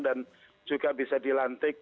dan juga bisa dilantik